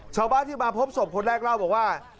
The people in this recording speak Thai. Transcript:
ชาวบ้านที่มาพบศพคนแรกเล่าบอกว่า